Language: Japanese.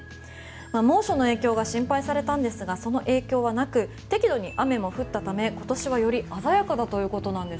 猛暑の影響が心配されたんですがその影響はなく適度に雨も降ったため今年はより鮮やかだということなんです。